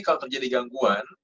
kalau terjadi gangguan